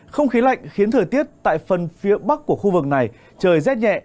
không khí lạnh khiến thời tiết tại phần phía bắc của khu vực này trời rét nhẹ